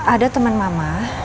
ada temen mama